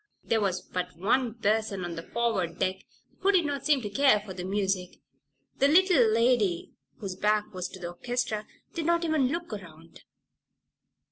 There was but one person on the forward deck who did not seem to care for the music. The little lady, whose back was to the orchestra, did not even look around.